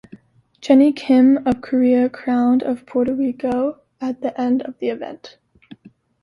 Jenny Kim of Korea crowned of Puerto Rico at the end of the event.